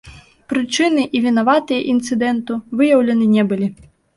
Прычыны і вінаватыя інцыдэнту выяўлены не былі.